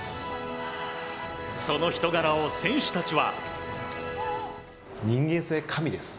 その人柄を選手たちは。